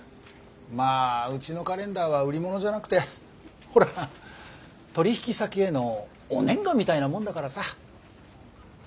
まあうちのカレンダーは売り物じゃなくてほら取引先へのお年賀みたいなもんだからさ。